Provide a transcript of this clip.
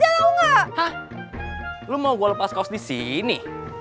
hah lu mau gue lepas kaos disini